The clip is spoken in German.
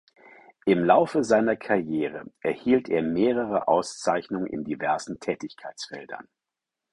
Im Laufe seiner Karriere erhielt er mehrere Auszeichnungen in diversen Tätigkeitsfeldern.